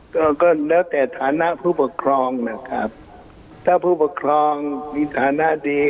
ก็ก็แล้วแต่ฐานะผู้ปกครองนะครับถ้าผู้ปกครองมีฐานะดี